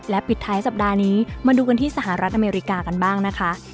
ปิดท้ายสัปดาห์นี้มาดูกันที่สหรัฐอเมริกากันบ้างนะคะ